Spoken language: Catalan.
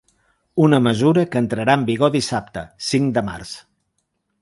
Una mesura que entrarà en vigor dissabte, cinc de març.